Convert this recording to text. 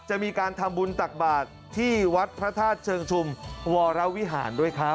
จะมีการทำบุญตักบาทที่วัดพระธาตุเชิงชุมวรวิหารด้วยครับ